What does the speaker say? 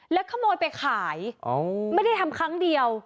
แล้วขโมยไปขายไม่ได้ทำครั้งเดียว